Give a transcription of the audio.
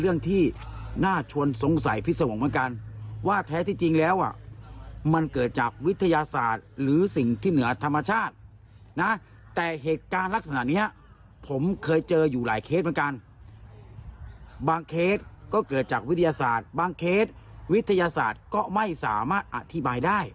เดี๋ยวฟังหมอปลามือปราบสามภเวศรีครับ